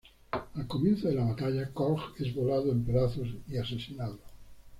Al comienzo de la batalla, Korg es volado en pedazos y asesinado.